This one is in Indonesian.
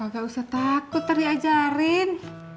gak usah takut teri ajarin